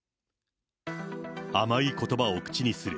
甘いことばを口にする。